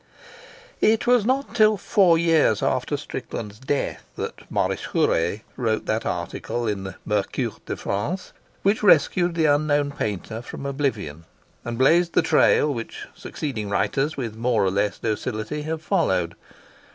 It was not till four years after Strickland's death that Maurice Huret wrote that article in the which rescued the unknown painter from oblivion and blazed the trail which succeeding writers, with more or less docility, have followed.